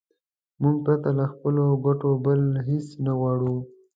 موږ پرته له خپلو ګټو بل هېڅ نه غواړو.